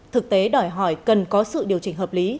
thực tế đòi hỏi cần có sự điều chỉnh hợp lý